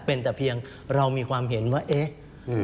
เป็นแต่เพียงเรามีความเห็นว่าเอ๊ะ